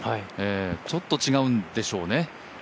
ちょっと違うんでしょうね。